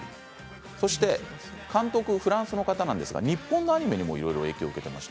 そして、監督フランスの方なんですが日本のアニメにも影響を受けています。